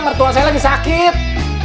mertua saya lagi sakit